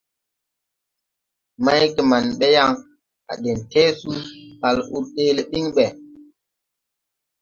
Maygeman ɓe yaŋ à ɗeŋ Tɛɛsu kal ur ɗee le ɓiŋ ɓe.